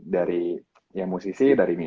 dari musisi dari